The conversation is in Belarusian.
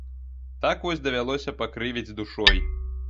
Так вось давялося пакрывіць душой.